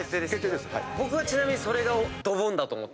僕はちなみにそれが。